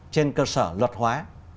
trên cơ sở luật hóa